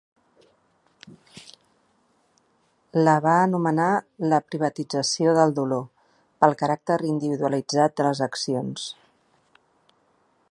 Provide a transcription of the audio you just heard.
La va anomenar la ‘privatització del dolor’, pel caràcter individualitzat de les accions.